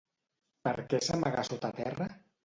Per què s'amagà sota terra?